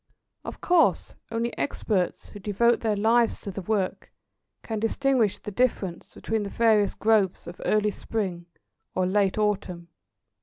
Of course, only experts, who devote their lives to the work, can distinguish the difference between the various growths of early spring or late autumn.